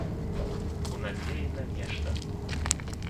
У надзеі на нешта.